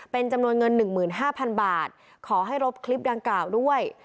เป็นจำนวนเงิน๑๕๐๐๐บาทขอให้รบคลิปดังกล่าวด้วย